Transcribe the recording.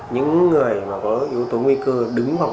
những người mà có yếu tố nguy cơ đứng hoặc